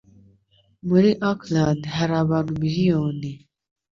Muri Auckland hari abantu miliyoni.